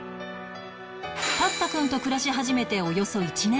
パスタくんと暮らし始めておよそ１年半